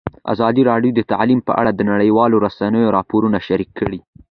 ازادي راډیو د تعلیم په اړه د نړیوالو رسنیو راپورونه شریک کړي.